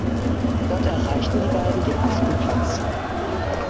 Dort erreichten die beiden den achten Platz.